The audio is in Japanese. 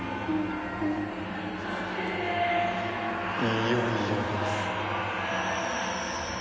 いよいよです。